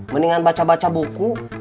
mendingan baca baca buku